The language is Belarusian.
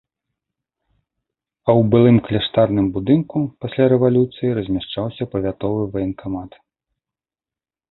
А ў былым кляштарным будынку пасля рэвалюцыі размяшчаўся павятовы ваенкамат.